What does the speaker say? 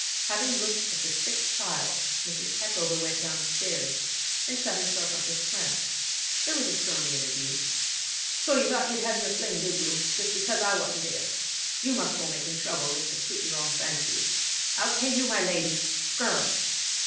Having looked at the sick child, Mrs. Peckover went downstairs and shut herself up with Clem. There was a stormy interview. 'So you thought you'd have yer fling, did you, just because I wasn't 'ere? You must go makin' trouble, just to suit yer own fancies! I'll pay you, my lady! Gr r r!